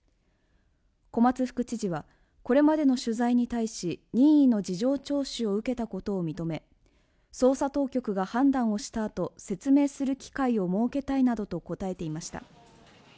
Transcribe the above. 小松副知事はこれまでの取材に対し、任意の事情聴取を受けたことを認め、捜査当局が判断をした後、説明する機会を設けたいなどと答えていました。